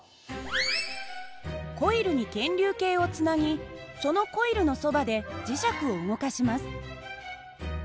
コイルに検流計をつなぎそのコイルのそばで磁石を動かします。